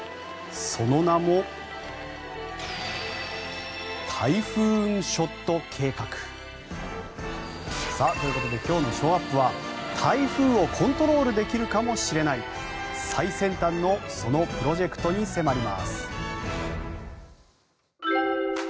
その名もタイフーンショット計画。ということで今日のショーアップは台風をコントロールできるかもしれない最先端のそのプロジェクトに迫ります。